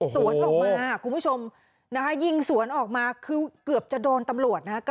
สวนออกมาคุณผู้ชมนะคะยิงสวนออกมาคือเกือบจะโดนตำรวจนะฮะ